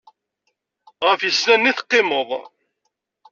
Ɣef yisennanen i teqqimeḍ?